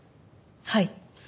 はい。